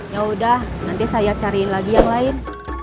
yaudah nanti saya cariin lagi yang lain